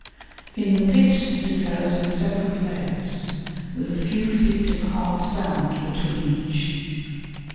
In the pit it occurs in separate layers, with a few feet of hard sand between each.